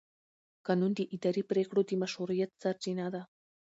قانون د اداري پرېکړو د مشروعیت سرچینه ده.